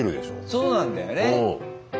そうなんだよね。